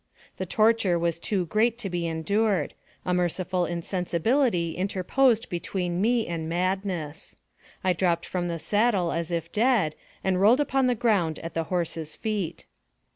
The torture was too great to be endured a merciful insensibility interposed between me and madness. I dropped from the saddle as if dead, and rolled upon the ground at the horse's feet.